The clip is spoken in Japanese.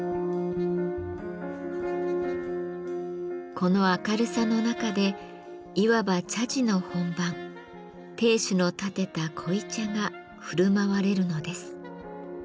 この明るさの中でいわば茶事の本番亭主のたてた濃茶がふるまわれるのです。